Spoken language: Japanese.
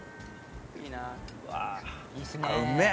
うめえ！